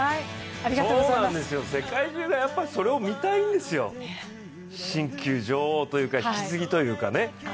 そうなんですよ、世界中がそれを見たいんですよ、新旧女王というか、引き継ぎというかね。